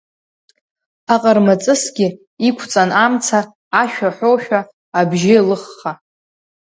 Аҟармаҵысгьы, иқәҵан амца, ашә аҳәошәа, абжьы еилыхха!